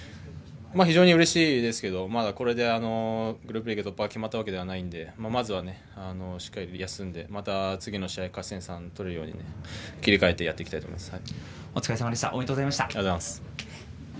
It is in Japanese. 非常にうれしいですけどこれでグループリーグ突破が決まったわけじゃないのでまずは休んで次も勝ち点３取れるように切り替えてやっていきたいです。